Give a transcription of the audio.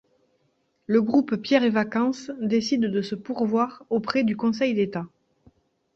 Le groupe Pierre et Vacances décide de se pourvoir auprès du Conseil d’État.